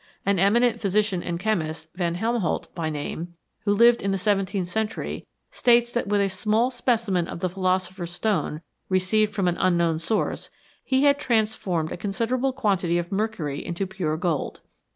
An eminent physician and chemist, van Helmont by name, who lived in the seventeenth century, states that with a small speci men of the philosopher's stone, received from an unknown source, he had transformed a considerable quantity of mercury into pure gold.